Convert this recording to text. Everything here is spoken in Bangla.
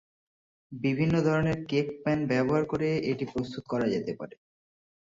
বিভিন্ন ধরণের কেক প্যান ব্যবহার করে এটি প্রস্তুত করা যেতে পারে।